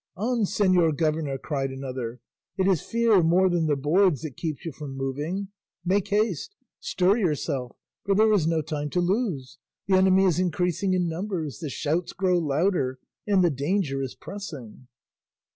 "On, señor governor!" cried another, "it is fear more than the boards that keeps you from moving; make haste, stir yourself, for there is no time to lose; the enemy is increasing in numbers, the shouts grow louder, and the danger is pressing."